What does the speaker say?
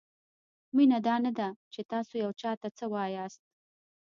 مینه دا نه ده؛ چې تاسو یو چاته څه وایاست؛